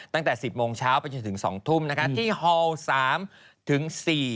ตั้งแต่๑๐โมงเช้าไปจนถึง๒ทุ่มนะคะที่ฮอล๓ถึง๔